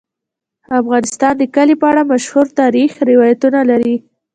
افغانستان د کلي په اړه مشهور تاریخی روایتونه لري.